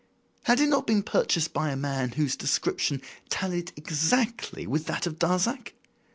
Had it not been purchased by a man whose description tallied exactly with that of Darzac?